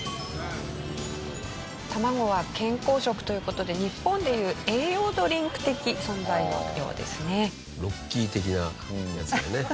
卵は健康食という事で日本でいう栄養ドリンク的存在のようですね。